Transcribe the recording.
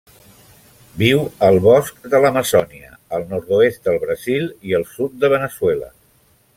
Viu al bosc de l'Amazònia, al nord-oest del Brasil i el sud de Veneçuela.